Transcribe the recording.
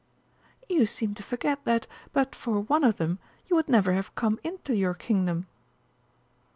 "You seem to forget that, but for one of them, you would never have come into your Kingdom!"